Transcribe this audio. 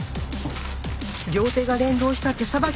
両手が連動した手さばき